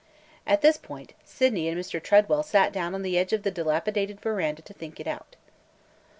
At this point, Sydney and Mr. Tredwell sat down on the edge of the dilapidated veranda to think it out.